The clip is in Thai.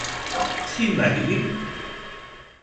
ที่ไหนนิ